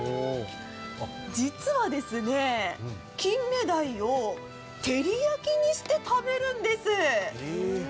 実は、キンメダイを照り焼きにして食べるんです。